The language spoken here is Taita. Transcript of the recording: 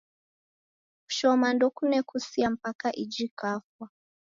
Kushoma ndokune kusia mpaka iji kwafa